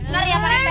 bener ya pak rete